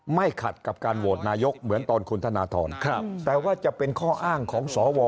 ขัดกับการโหวตนายกเหมือนตอนคุณธนทรแต่ว่าจะเป็นข้ออ้างของสว